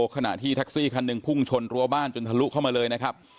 ขณะที่แท็กซี่คันหนึ่งพุ่งชนรั้วบ้านจนทะลุเข้ามาเลยนะครับ